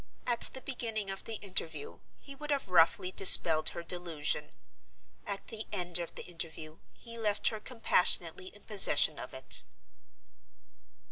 At the beginning of the interview he would have roughly dispelled her delusion. At the end of the interview he left her compassionately in possession of it.